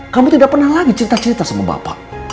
kamu tidak pernah lagi cerita cerita sama bapak